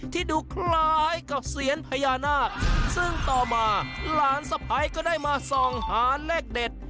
ที่ดูคล้ายกับเซียนพญานาคซึ่งต่อมาหลานสะพ้ายก็ได้มาส่องหาเลขเด็ด